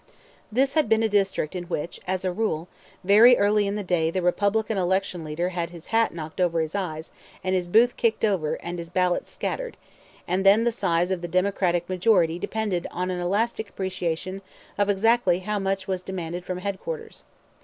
This had been a district in which, as a rule, very early in the day the Republican election leader had his hat knocked over his eyes and his booth kicked over and his ballots scattered; and then the size of the Democratic majority depended on an elastic appreciation of exactly how much was demanded from headquarters.